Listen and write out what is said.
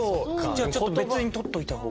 じゃあちょっと別に取っておいた方が。